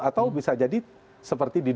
atau bisa jadi seperti di dua ribu empat belas